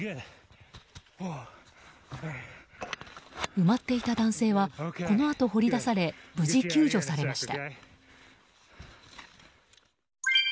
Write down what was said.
埋まっていた男性はこのあと、掘り出され無事、救助されました。